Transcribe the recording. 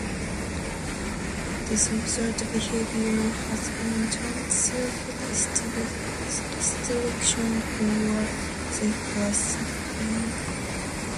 This observed behavior has been termed "self-restriction" or "self-grasping".